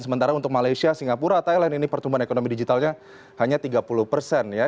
sementara untuk malaysia singapura thailand ini pertumbuhan ekonomi digitalnya hanya tiga puluh persen ya